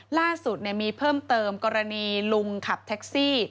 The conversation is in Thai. ล่าสุดมีเพิ่มเติมกรณีลุงขับแท็กซี่